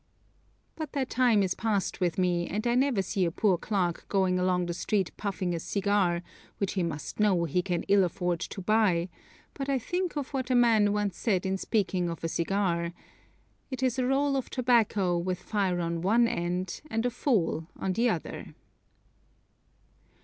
But that time is passed with me, and I never see a poor clerk going along the street puffing a cigar which he must know he can ill afford to buy, but I think of what a man once said in speaking of a cigar: "It is a roll of tobacco with fire on one end and a fool on the other."